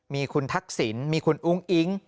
มีคุณทักษิณมีคุณอุ้งอิ๊ง